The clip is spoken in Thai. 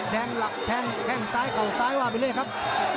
แทงลับแทงซ้ายเก่าซ้ายว่าไปเลยครับ